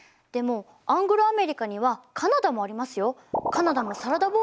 でもアングロアメリカにはカナダもありますよ。